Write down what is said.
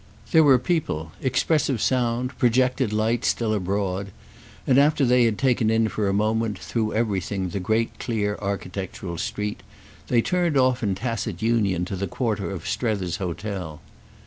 There were people, expressive sound, projected light, still abroad, and after they had taken in for a moment, through everything, the great clear architectural street, they turned off in tacit union to the quarter of Strether's hotel.